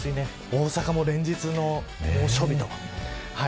大阪も連日の猛暑日です。